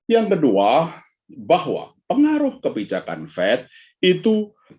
yang kedua bahwa pengaruh kebijakan fed itu